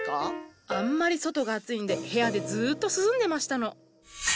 あんまり外が暑いんで部屋でずっと涼んでましたの。